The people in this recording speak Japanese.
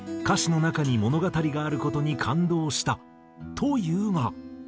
と言うが。